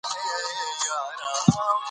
افغانستان په خپلو اوښانو باندې پوره تکیه لري.